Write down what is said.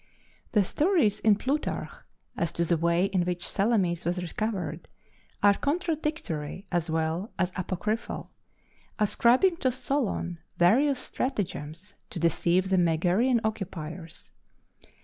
The stories in Plutarch, as to the way in which Salamis was recovered, are contradictory as well as apocryphal, ascribing to Solon various stratagems to deceive the Megarian occupiers.